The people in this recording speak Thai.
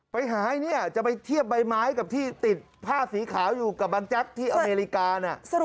ไปหายจะไปเทียบใบไม้กับที่ติดผ้าสีขาวอยู่กับบังจักรที่อเมริกาเนี่ย